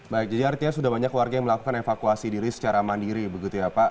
baik jadi artinya sudah banyak warga yang melakukan evakuasi diri secara mandiri begitu ya pak